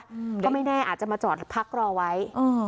อืมก็ไม่แน่อาจจะมาจอดพักรอไว้อืม